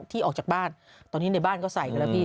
ออกจากบ้านตอนนี้ในบ้านก็ใส่กันแล้วพี่